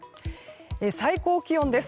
最高気温です。